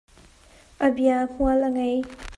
A bia hmual a ngei.